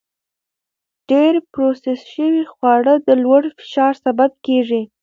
ډېر پروسس شوي خواړه د لوړ فشار سبب کېږي.